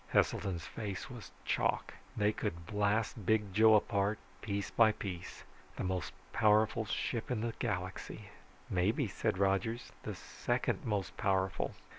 Heselton's face was chalk. "They could blast Big Joe apart, piece by piece the most powerful ship in the galaxy." "Maybe," said Rogers, "the second most powerful."